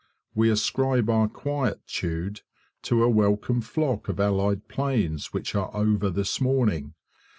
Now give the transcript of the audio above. We ascribe our quietude to a welcome flock of allied planes which are over this morning.